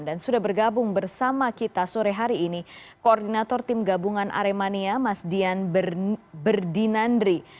dan sudah bergabung bersama kita sore hari ini koordinator tim gabungan aremania mas dian berdinandri